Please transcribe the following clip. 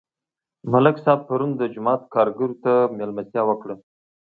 ملک صاحب پرون د جومات کارګرو ته مېلمستیا وکړه.